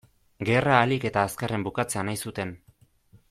Gerra ahalik eta azkarren bukatzea nahi zuten.